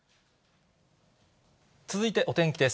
続いてお天気です。